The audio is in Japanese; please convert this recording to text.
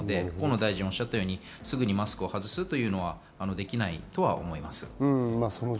河野大臣がおっしゃったように、すぐにマスクを外すというのはできないと思います。